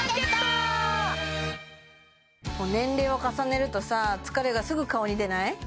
年齢を重ねるとさ疲れがすぐ顔に出ない？